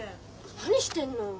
何してんの。